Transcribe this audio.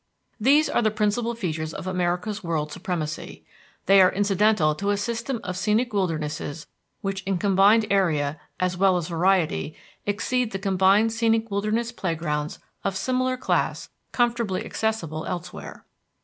These are the principal features of America's world supremacy. They are incidental to a system of scenic wildernesses which in combined area as well as variety exceed the combined scenic wilderness playgrounds of similar class comfortably accessible elsewhere.